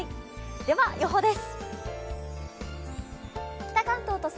では予報です。